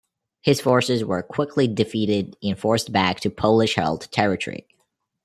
His forces were quickly defeated and forced back to Polish-held territory.